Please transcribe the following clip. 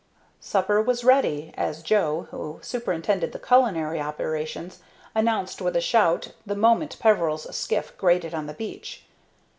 Supper was ready, as Joe, who superintended the culinary operations, announced with a shout the moment Peveril's skiff grated on the beach.